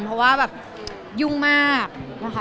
เพราะว่าแบบยุ่งมากนะคะ